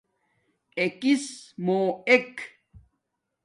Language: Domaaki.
اکیس مُو ایک